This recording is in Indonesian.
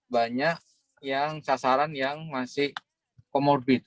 banyak yang sasaran yang masih comorbid